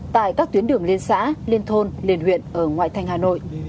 tại các tuyến đường liên xã liên thôn liên huyện ở ngoại thành hà nội